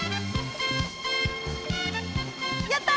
やった！